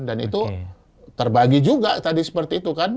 dan itu terbagi juga tadi seperti itu kan